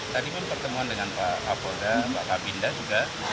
tadi pun pertemuan dengan pak kapolga pak kabinda juga